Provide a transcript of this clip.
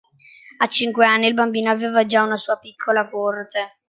A cinque anni il bambino aveva già una sua piccola corte.